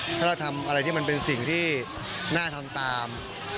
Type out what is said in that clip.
ถ้าเราทำอะไรที่มันเป็นสิ่งที่น่าทำตาม